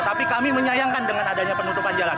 tapi kami menyayangkan dengan adanya penutupan jalan